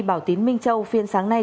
bảo tín minh châu phiên sáng nay